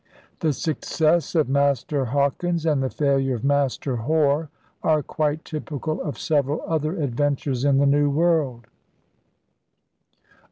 The success of * Master Haukins' and the failure of * Master Hore' are quite typical of several other adventures in the New World.